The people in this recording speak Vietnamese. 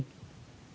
lúc chiến tranh